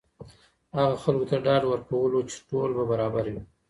هغه خلکو ته ډاډ ورکولو چې ټول به برابر وي.